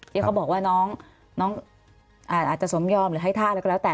ที่เขาบอกว่าน้องอาจจะสมยอมหรือให้ท่าอะไรก็แล้วแต่